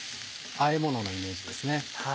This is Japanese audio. あえもののイメージですね。